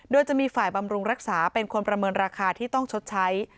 โดยจะมีฝ่ายบำรุงรักษาเป็นคนประเมินราคาที่ต้องชดใช้